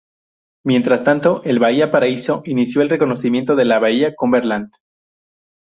Mientras tanto el Bahía Paraíso inició el reconocimiento en la bahía Cumberland.